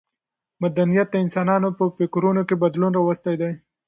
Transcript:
مدنیت د انسانانو په فکرونو کې بدلون راوستی دی.